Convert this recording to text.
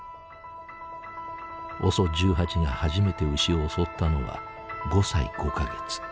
ＯＳＯ１８が初めて牛を襲ったのは５歳５か月。